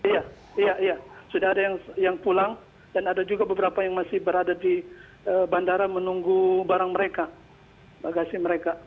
iya iya sudah ada yang pulang dan ada juga beberapa yang masih berada di bandara menunggu barang mereka bagasi mereka